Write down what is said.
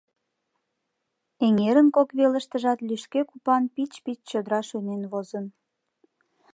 Эҥерын кок велыштыжат, лӱшке купан пич-пич чодыра шуйнен возын.